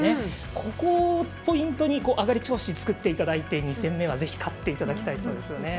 ここをポイントに上がり調子を作っていただいて２戦目はぜひ勝っていただきたいですね。